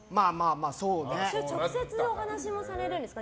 直接お話もされるんですか？